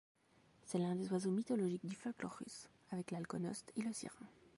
C'est l'un des oiseaux mythologiques du folklore russe, avec l'Alkonost et le Sirin.